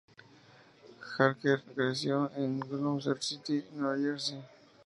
Harker creció en Gloucester City, Nueva Jersey.